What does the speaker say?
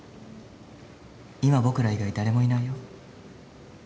今僕ら以外誰もいないよ。